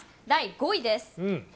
第５位です。